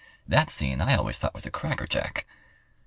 That scene I always thought was a crackerjack.